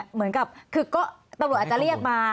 เหมือนกับคือก็ตำรวจอาจจะเรียกมา